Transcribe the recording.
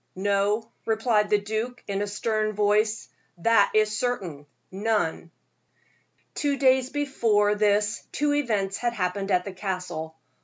"No," replied the duke, in a stern voice, "that is certain none." Two days before this two events had happened at the Castle.